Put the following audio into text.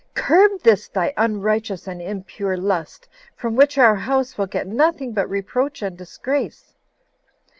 Curb this thy unrighteous and impure lust, from which our house will get nothing but reproach and disgrace."